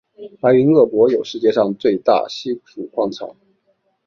白云鄂博有世界上最大稀土矿藏。